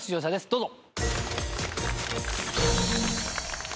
どうぞ。